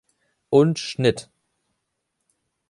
Und Schnitt!